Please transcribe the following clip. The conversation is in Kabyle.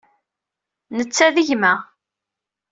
Netta d gma.